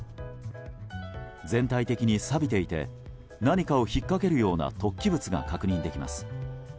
全体的にさびていて何かを引っかけるような突起物が確認できます。